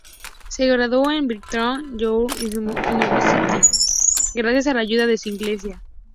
Se graduó en la Brigham Young University, gracias a la ayuda de su iglesia.